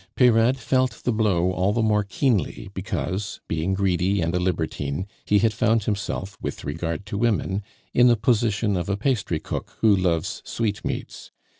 Peyrade felt the blow all the more keenly because, being greedy and a libertine, he had found himself, with regard to women, in the position of a pastry cook who loves sweetmeats.